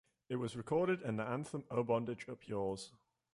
It was recorded and their anthem Oh Bondage Up Yours!